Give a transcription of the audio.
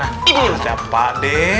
ada pak d